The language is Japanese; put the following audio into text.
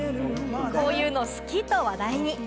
こういうの好きと話題に。